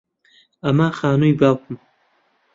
ئەمە خانووی باوکمە.